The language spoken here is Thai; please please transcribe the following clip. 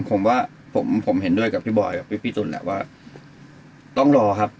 ผมว่าผมผมเห็นด้วยกับพี่บอยกับพี่ตุ๋นแหละว่าต้องรอครับ